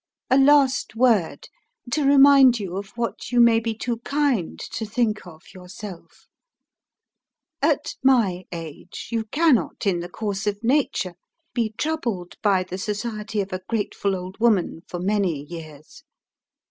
"A last word, to remind you of what you may be too kind to think of yourself. "At my age, you cannot, in the course of nature, be troubled by the society of a grateful old woman for many years.